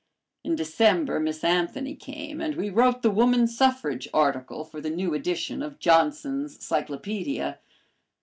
In December Miss Anthony came, and we wrote the woman suffrage article for the new edition of Johnson's Cyclopedia.